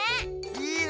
いいね！